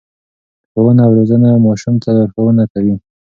ښوونه او روزنه ماشوم ته لارښوونه کوي.